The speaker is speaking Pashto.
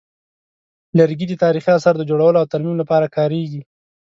لرګي د تاریخي اثارو د جوړولو او ترمیم لپاره کارېږي.